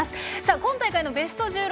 今大会のベスト１６